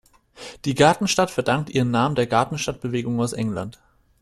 Die Gartenstadt verdankt ihren Namen der Gartenstadtbewegung aus England.